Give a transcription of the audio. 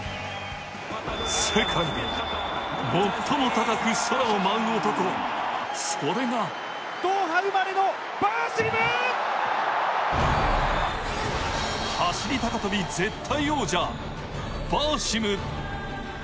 世界で最も高く空を舞う男、それが走高跳絶対王者、バーシム。